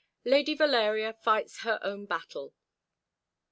LADY VALERIA FIGHTS HER OWN BATTLE.